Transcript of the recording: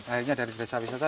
akhirnya dari desa wisata